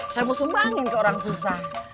saya mau sumbangin ke orang susah